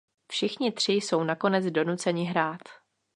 Všichni tři jsou nakonec donuceni hrát.